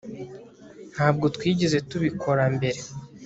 Ntabwo twigeze tubikora mbere